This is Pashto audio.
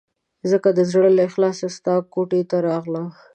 ځکه د زړه له اخلاصه ستا کوټې ته راغلم.